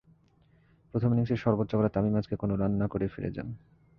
প্রথম ইনিংসে সর্বোচ্চ করা তামিম আজকে কোনো রান না করেই ফিরে যান।